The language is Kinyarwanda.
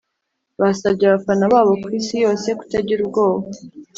basabye abafana babo ku isi yose kutagira ubwoba.